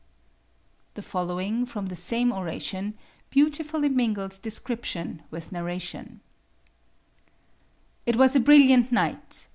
The following, from the same oration, beautifully mingles description with narration: It was a brilliant night.